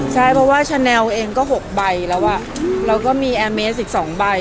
ใช่เพราะว่าชาแนลเองก็๖ใบแล้วอ่ะแล้วก็มีแอร์เมสอีก๒ใบ